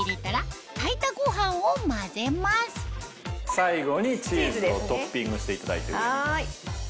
最後にチーズをトッピングしていただいて上に。